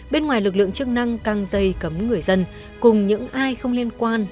bên ngoài lực lượng chức năng căng dây cấm người dân cùng những ai không liên quan